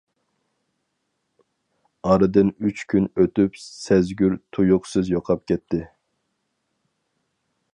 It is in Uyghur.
ئارىدىن ئۈچ كۈن ئۆتۈپ سەزگۈر تۇيۇقسىز يوقاپ كەتتى.